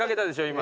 今。